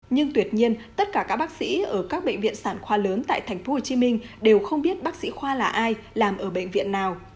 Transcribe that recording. nhưng tuyệt nhiên tất cả các bác sĩ ở các bệnh viện sản khoa lớn tại tp hcm đều không biết bác sĩ khoa là ai làm ở bệnh viện nào